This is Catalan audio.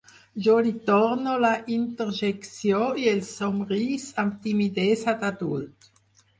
Jo li torno la interjecció i el somrís, amb timidesa d'adult.